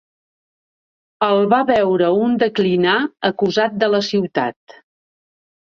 El va veure un declinar acusat de la ciutat.